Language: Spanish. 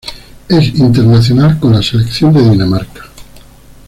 Es internacional con la selección de Dinamarca.